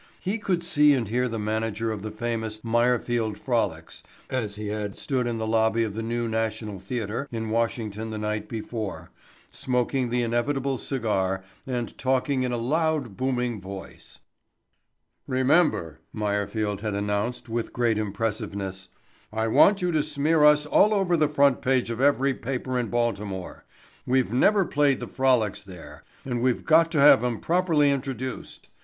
He could see and hear the manager of the famous "Meyerfield Frolics" as he had stood in the lobby of the New National Theatre in Washington the night before, smoking the inevitable cigar and talking in a loud booming voice. "Remember," Meyerfield had announced with great impressiveness, "I want you to smear us all over the front page of every paper in Baltimore. We've never played the 'Frolics' there and we've got to have 'em properly introduced.